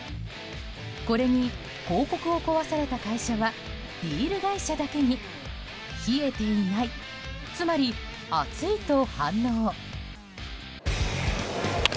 これに、広告を壊された会社はビール会社だけに冷えていないつまり熱いと反応。